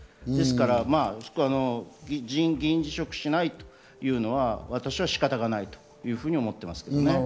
ですから議員辞職しないというのは私は仕方がないと思っています。